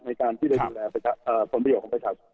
ในการที่จะดูแลผลประโยคของประชาชน